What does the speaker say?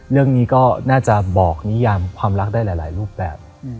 เรื่องนี้ก็น่าจะบอกนิยามความรักได้หลายรูปแบบ